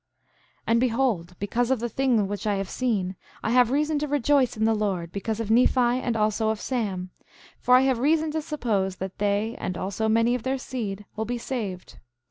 8:3 And behold, because of the thing which I have seen, I have reason to rejoice in the Lord because of Nephi and also of Sam; for I have reason to suppose that they, and also many of their seed, will be saved.